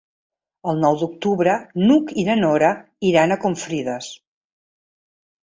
El nou d'octubre n'Hug i na Nora iran a Confrides.